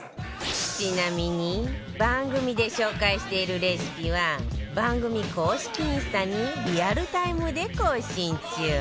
ちなみに番組で紹介しているレシピは番組公式インスタにリアルタイムで更新中